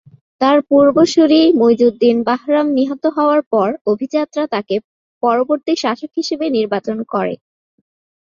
তার পূর্বসূরি মুইজউদ্দিন বাহরাম নিহত হওয়ার পর অভিজাতরা তাকে পরবর্তী শাসক হিসেবে নির্বাচন করে।